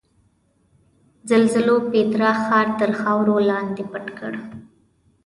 زلزلو پیترا ښار تر خاورو لاندې پټ کړ.